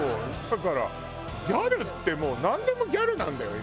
だからギャルってもうなんでもギャルなんだよ